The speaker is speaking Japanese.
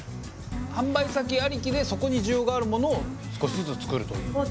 販売先ありきでそこに需要があるものを少しずつ作るという。